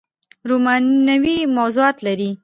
رومانوي موضوعات لري